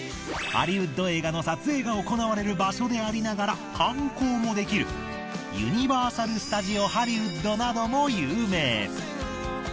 ハリウッド映画の撮影が行われる場所でありながら観光もできるユニバーサル・スタジオ・ハリウッドなども有名。